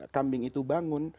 kambing itu bangun